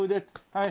はい。